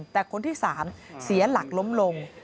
แต่คนที่๓เสียหลักล้มลง